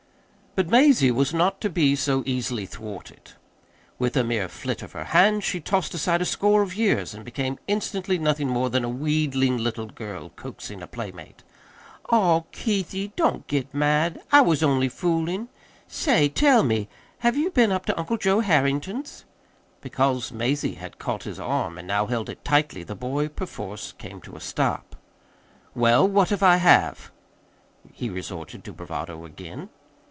But Mazie was not to be so easily thwarted. With a mere flit of her hand she tossed aside a score of years, and became instantly nothing more than a wheedling little girl coaxing a playmate. "Aw, Keithie, don't get mad! I was only fooling. Say, tell me, HAVE you been up to Uncle Joe Harrington's?" Because Mazie had caught his arm and now held it tightly, the boy perforce came to a stop. "Well, what if I have?" he resorted to bravado again.